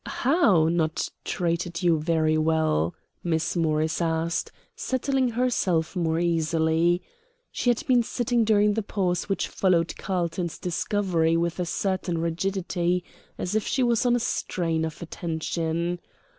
"How, not treated you very well?" Miss Morris asked, settling herself more easily. She had been sitting during the pause which followed Carlton's discovery with a certain rigidity, as if she was on a strain of attention.